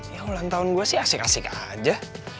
ya ulang tahun gue sih asik asik aja